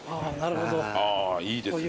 あいいですね